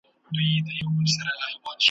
ځای پر ځای به وي ولاړ سر به یې ښوري `